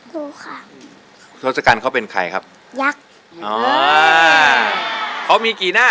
ดูค่ะทศกัณฐ์เขาเป็นใครครับยักษ์อ๋อเขามีกี่หน้า